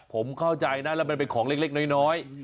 ผมเข้าใจนะแล้วมันเป็นของเล็กน้อย